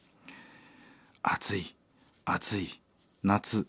「暑い暑い夏。